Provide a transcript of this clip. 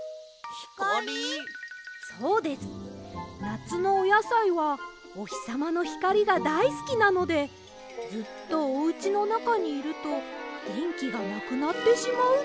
なつのおやさいはおひさまのひかりがだいすきなのでずっとおうちのなかにいるとげんきがなくなってしまうんです。